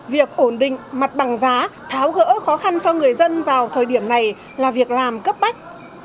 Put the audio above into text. việc ổn định mặt bằng giá tháo gỡ khó khăn cho người dân vào thời điểm này là việc làm cấp bách